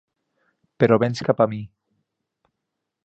Però vens cap a mi.